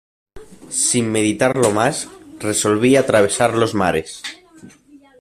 sin meditarlo más, resolví atravesar los mares.